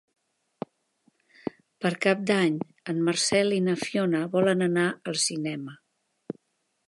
Per Cap d'Any en Marcel i na Fiona volen anar al cinema.